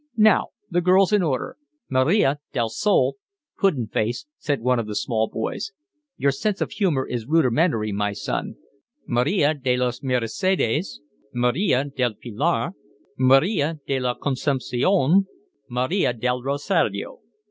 "Now the girls in order: Maria del Sol…" "Pudding Face," said one of the small boys. "Your sense of humour is rudimentary, my son. Maria de los Mercedes, Maria del Pilar, Maria de la Concepcion, Maria del Rosario."